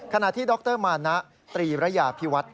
ขณะที่ดรมานะตรีระยาพิวัฒน์